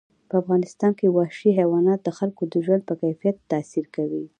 په افغانستان کې وحشي حیوانات د خلکو د ژوند په کیفیت تاثیر کوي.